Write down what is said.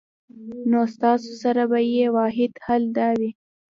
نو ستاسو سره به ئې واحد حل دا وي